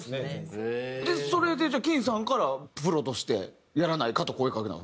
でそれでＫＥＥＮさんからプロとしてやらないかと声かけたんですか？